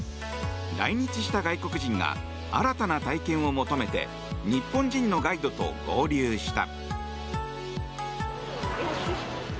来日した外国人が新たな体験を求めて日本人のガイドと合流した。